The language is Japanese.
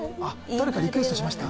誰かリクエストしました？